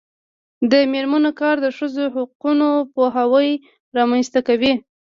د میرمنو کار د ښځو حقونو پوهاوی رامنځته کوي.